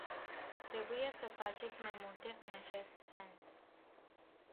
Trebuie să faceți mai multe în acest sens.